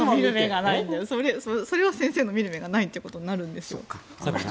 それは先生の見る目がないということになるんでしょう。